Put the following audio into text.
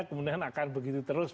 kemudian akan begitu terus